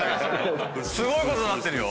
すごいことになってるよ。